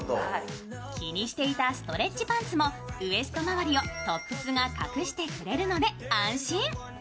機にしていたストレッチパンツもウエスト回りをトップスが隠してくれるので安心。